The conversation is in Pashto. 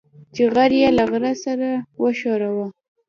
چې غر يې له غره سره وښوراوه.